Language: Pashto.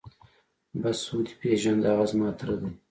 بس ودې پېژاند هغه زما تره دى.